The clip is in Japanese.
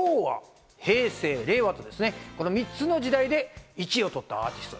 これで昭和・平成・令和と３つの時代で１位を取ったアーティスト。